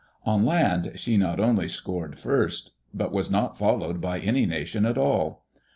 On land she not only scored first, but was not followed by any nation at all.